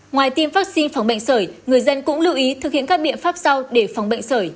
ngoài tiêm vaccine phòng bệnh sởi người dân cũng lưu ý thực hiện các biện pháp sau để phòng bệnh sởi